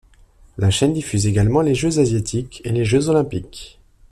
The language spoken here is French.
La chaîne diffuse également les Jeux asiatiques et les Jeux olympiques.